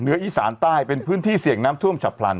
อีสานใต้เป็นพื้นที่เสี่ยงน้ำท่วมฉับพลัน